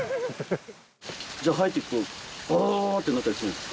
じゃあ、入ったら、ばばばばってなったりするんですか。